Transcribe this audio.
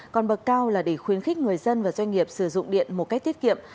còn bậc cao là để khuyến khích người dân và doanh nghiệp sử dụng điện một cách tiết kiệm